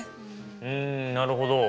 うんなるほど。